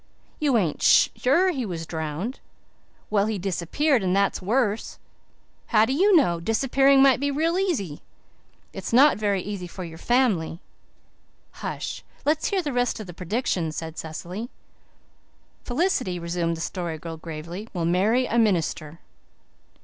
"You ain't sure he was drowned." "Well, he disappeared, and that is worse." "How do you know? Disappearing might be real easy." "It's not very easy for your family." "Hush, let's hear the rest of the predictions," said Cecily. "Felicity," resumed the Story Girl gravely, "will marry a minister."